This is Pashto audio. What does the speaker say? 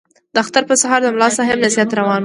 د اختر په سهار د ملا صاحب نصیحت روان وو.